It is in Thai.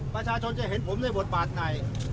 ประชาชนจะเห็นผมในบทบาทไหน